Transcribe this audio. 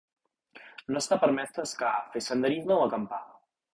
No està permès pescar, fer senderisme o acampar.